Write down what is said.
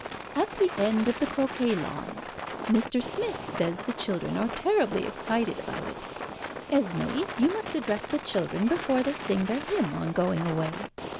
"At the end of the croquet lawn. Mr. Smith says the children are terribly excited about it. Esmé, you must address the children before they sing their hymn on going away.